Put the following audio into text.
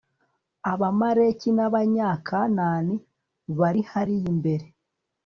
abamaleki n'abanyakanani bari hariya imbere